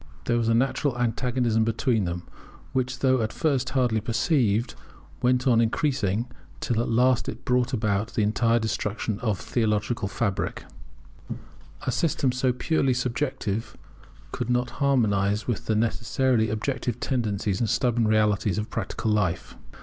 There was a natural antagonism between them, which though at first hardly perceived, went on increasing till at last it brought about the entire destruction of the theological fabric. A system so purely subjective could not harmonize with the necessarily objective tendencies and stubborn realities of practical life.